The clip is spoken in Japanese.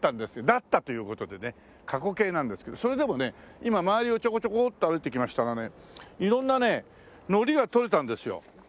「だった」という事でね過去形なんですけどそれでもね今周りをちょこちょこっと歩いてきましたらね色んなね海苔がとれたんですよ。